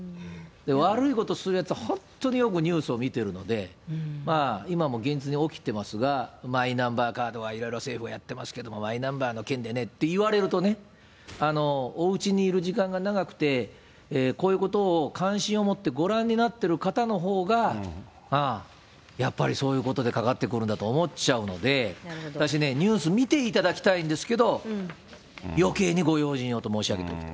悪いことをするやつは本当によくニュースを見てるので、今も現実に起きてますが、マイナンバーカードはいろいろ政府がやってますけど、マイナンバーの件でねって言われるとね、おうちにいる時間が長くて、こういうことを関心を持ってご覧になっている方のほうが、ああ、やっぱりそういうことでかかってくるんだと思っちゃうので、私ね、ニュース見ていただきたいんですけど、よけいにご用心をと申し上げておきたい。